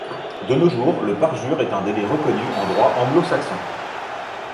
De nos jours, le parjure est un délit reconnu en droit anglo-saxon.